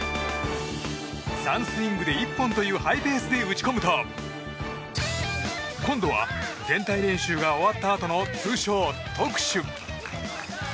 ３スイングで１本というハイペースで打ち込むと今度は全体練習が終わったあとの通称、特守。